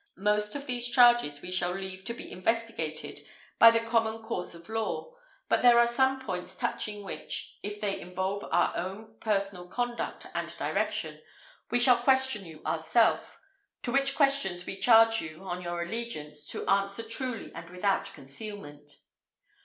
Most of these charges we shall leave to be investigated by the common course of law; but there are some points touching which, as they involve our own personal conduct and direction, we shall question you ourself: to which questions we charge you, on your allegiance, to answer truly and without concealment."